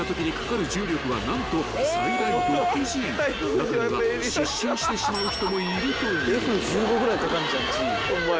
［中には失神してしまう人もいるという］